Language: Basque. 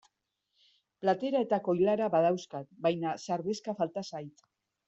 Platera eta koilara badauzkat baina sardexka falta zait.